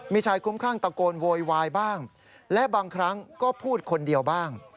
มีชายคุ้มข้างตะโกนโวยวายบ้างและบางครั้งก็พูดคนเดียวบ้าง